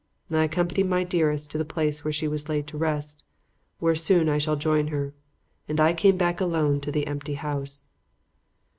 I accompanied my dearest to the place where she was laid to rest, where soon I shall join her. And I came back alone to the empty house.